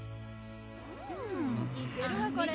うんいけるわこれ。